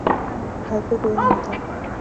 گھر پے کوئی نہیں تھا۔